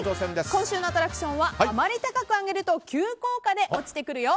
今週のアトラクションはあまり高く上げると急降下で落ちてくるよ！